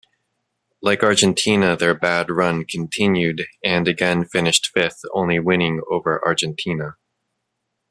Like Argentina their bad run continued and again finished fifth only winning over Argentina.